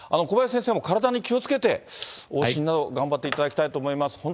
小林先生も、体に気をつけて、往診など頑張っていただきたいと思います。